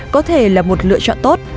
có thể là một lựa chọn tốt